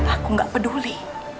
aku gak peduli